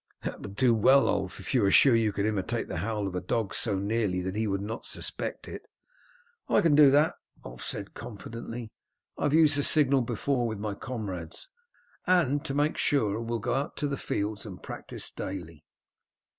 "That would do well, Ulf, if you are sure you could imitate the howl of a dog so nearly that he would not suspect it." "I can do that," Ulf said confidently. "I have used the signal before with my comrades, and to make sure will go out to the fields and practise daily."